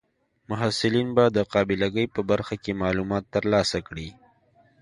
محصلین به د قابله ګۍ په برخه کې معلومات ترلاسه کړي.